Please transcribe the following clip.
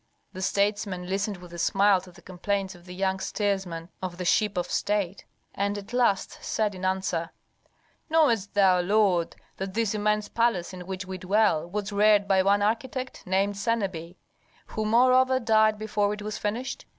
The statesman listened with a smile to the complaints of the young steersman of the ship of state, and at last said in answer, "Knowest thou, lord, that this immense palace in which we dwell was reared by one architect, named Senebi, who moreover died before it was finished?